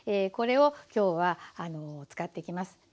これを今日はあの使っていきます。